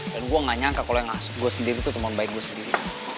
dan gue gak nyangka kalo yang ngasut gue sendiri tuh temen baik gue sendiri